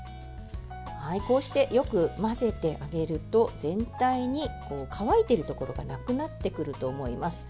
こうしてよく混ぜてあげると全体に乾いているところがなくなってくると思います。